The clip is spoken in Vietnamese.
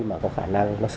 mà có khả năng nó xử lý